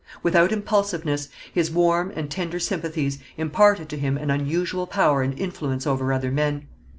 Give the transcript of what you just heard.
Without impulsiveness, his warm and tender sympathies imparted to him an unusual power and influence over other men.